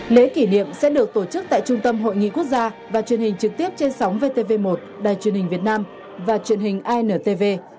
lễ kỷ niệm sẽ được tổ chức tại trung tâm hội nghị quốc gia và truyền hình trực tiếp trên sóng vtv một đài truyền hình việt nam và truyền hình intv